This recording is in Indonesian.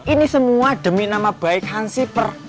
ini semua demi nama baik hansi per